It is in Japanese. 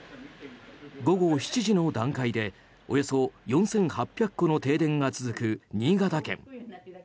午後７時の段階でおよそ４８００戸の停電が続く新潟県。